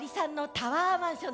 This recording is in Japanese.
タワーマンション！？